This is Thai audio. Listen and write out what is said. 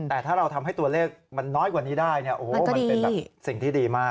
แต่ถ้าเราทำให้ตัวเลขมันน้อยกว่านี้ได้เนี่ยโอ้โหมันเป็นแบบสิ่งที่ดีมาก